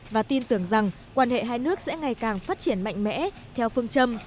và tin tưởng rằng quan hệ hai nước sẽ ngày càng phát triển mạnh mẽ theo phương châm